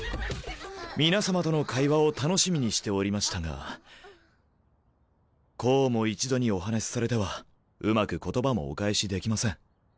皆様との会話を楽しみにしておりましたがこうも一度にお話しされてはうまく言葉もお返しできません。